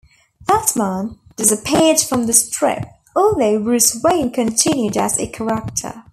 Batman disappeared from the strip, although Bruce Wayne continued as a character.